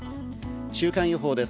週間予報です。